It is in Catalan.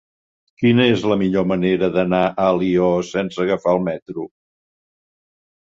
Quina és la millor manera d'anar a Alió sense agafar el metro?